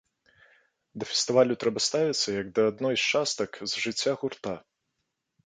Да фестывалю трэба ставіцца як да адной з частак з жыцця гурта.